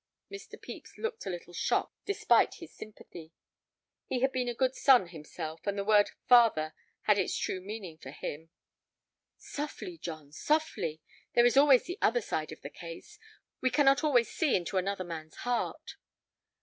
Mr. Pepys looked a little shocked despite his sympathy. He had been a good son himself, and the word "father" had its true meaning for him. "Softly, John, softly. There is always the other side of the case; we cannot always see into another man's heart."